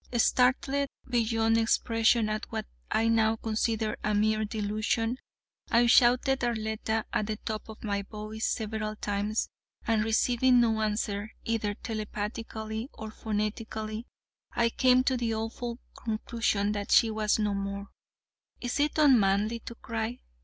Startled beyond expression at what I now consider a mere delusion, I shouted Arletta at the top of my voice several times, and receiving no answer, either telepathically or phonetically, I came to the awful conclusion that she was no more. Is it unmanly to cry?